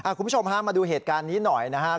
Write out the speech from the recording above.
คุณผู้ชมฮะมาดูเหตุการณ์นี้หน่อยนะครับ